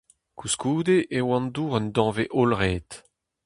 Koulskoude eo an dour un danvez hollret.